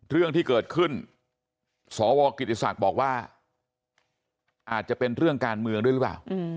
เรื่องที่เกิดขึ้นสวกิติศักดิ์บอกว่าอาจจะเป็นเรื่องการเมืองด้วยหรือเปล่า